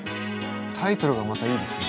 タイトルがまたいいですね。